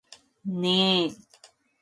내 가족을 보호하기 위해 화성으로 보내졌어요.